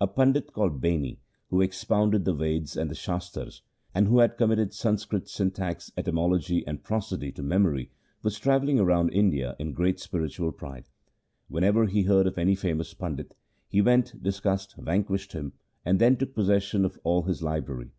A pandit called Beni, who expounded the Veds and the Shastars, and who had committed Sanskrit syntax, etymology, and prosody to memory, was travelling round India in great spiritual pride. Wherever he heard of any famous pandit, he went, discussed, vanquished him, and then took possession of all his library.